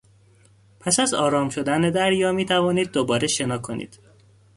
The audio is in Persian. پس از آرام شدن دریا میتوانید دوباره شنا کنید.